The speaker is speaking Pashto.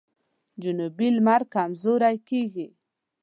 جنوبي لمر کمزوری کیږي.